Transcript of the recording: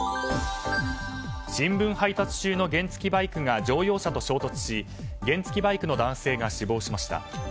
新聞配達中の原付きバイクが乗用車と衝突し原付きバイクの男性が死亡しました。